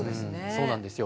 そうなんですよ。